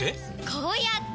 こうやって！